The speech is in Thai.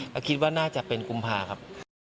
ก็คิดว่าน่าจะเป็นกุมภาครับ